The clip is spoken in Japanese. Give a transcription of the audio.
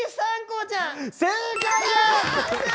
正解です！わ！